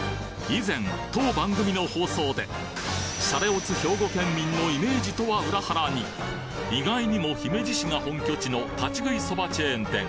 以前シャレオツ兵庫県民のイメージとは裏腹に意外にも姫路市が本拠地の立ち食いそばチェーン店